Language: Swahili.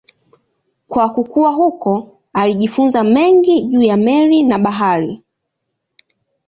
Kwa kukua huko alijifunza mengi juu ya meli na bahari.